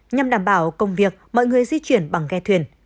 nhằm đảm bảo công việc mọi người di chuyển bằng ghe thuyền